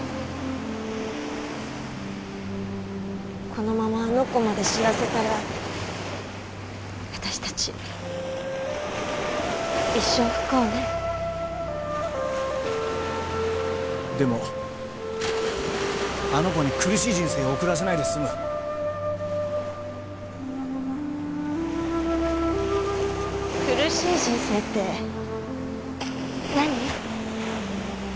このままあの子まで死なせたら私たち一生不幸ねでもあの子に苦しい人生を送らせないですむ苦しい人生ってなに？